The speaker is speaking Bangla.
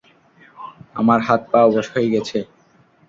আমার হাত পা অবশ হয়ে গেছে।